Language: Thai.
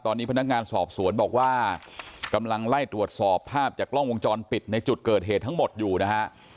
ตอนนี้พนักงานสอบสวนบอกว่ากำลังไล่ตรวจสอบภาพจากกล้องวงจรปิดในจุดเกิดเหตุทั้งหมดอยู่นะฮะ